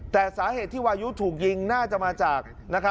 แต่สาเหตุที่วายุถูกยิงน่าจะมาจาก